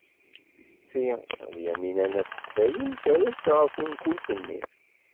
Setti Lyamina n At Ḥsayen terra-tt ɣer tenkult-nni.